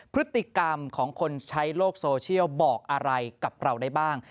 พฤติกรรมของคนใช้โลกโซเชียลบอกอะไรกับเราได้บ้าง